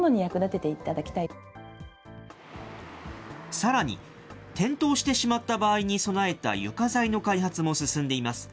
さらに、転倒してしまった場合に備えた床材の開発も進んでいます。